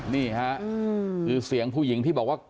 นี่ค่ะคือเสียงผู้หญิงที่บอกว่า